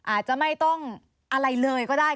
อาจจะไม่ต้องอะไรเลยก็ได้